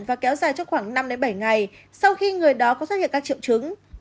và kéo dài cho khoảng năm bảy ngày sau khi người đó có phát hiện các triệu chứng